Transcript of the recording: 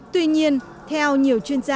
tuy nhiên theo nhiều chuyên gia